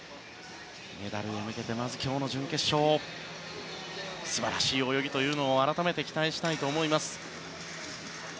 メダルへ向けてまず今日の準決勝では素晴らしい泳ぎを改めて期待したいと思います。